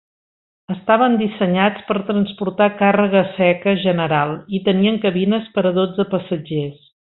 Estaven dissenyats per transportar càrrega seca general i tenien cabines per a dotze passatgers.